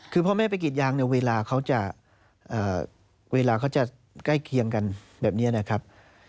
คือพ่อแม่ไปกรีดยางเวลาเขาจะใกล้เคียงกันแบบนี้นะครับ